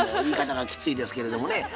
言い方がきついですけれどもね。